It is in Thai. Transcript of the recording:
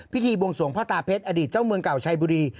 พิธีบวงสวงพ่อตาเพชรอดีตเจ้าเมืองเก่าชัยบุรี